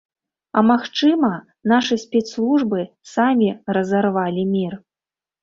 А магчыма, нашы спецслужбы самі разарвалі мір.